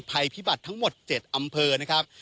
ภัยพิบัติทั้งหมด๗อำเภอนะครับ